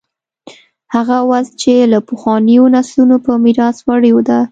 هغه وضع چې له پخوانیو نسلونو په میراث وړې ده.